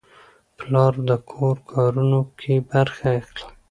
پلار د کور کارونو کې برخه اخلي.